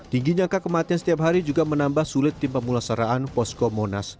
tingginya angka kematian setiap hari juga menambah sulit tim pemulasaraan posko monas